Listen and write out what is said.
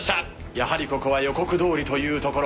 やはり、ここは予告どおりというところ。